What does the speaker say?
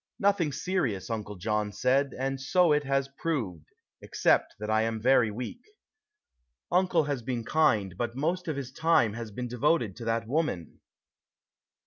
Nothing serious, Uncle John said, and so it has proved, except that I am very weak. Uncle has been kind, but most of his time has been devoted to that woman.